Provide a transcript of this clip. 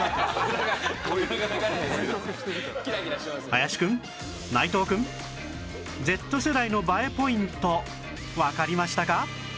林くん内藤くん Ｚ 世代の映えポイントわかりましたか？